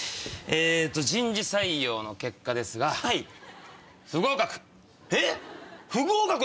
人事採用の結果ですが不合格！